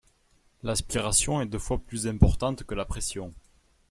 L'aspiration est deux fois plus importante que la pression.